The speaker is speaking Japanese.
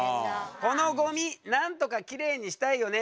このごみなんとかきれいにしたいよね。